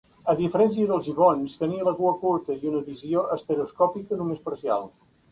A diferència dels gibons, tenia la cua curta, i una visió estereoscòpica només parcial.